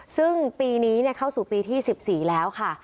ซึ่งปีนี้เข้าสู่ปีที่๑๔แล้วค่ะ